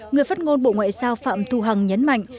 người phát ngôn bộ ngoại giao phạm thu hằng nhấn mạnh